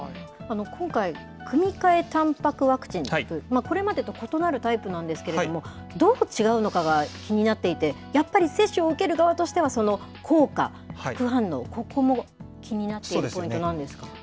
今回、組換えたんぱくワクチンという、これまでと異なるタイプなんですけれども、どう違うのかが気になっていて、やっぱり接種を受ける側としては、その効果、副反応、ここも気になっているポイントなんですが。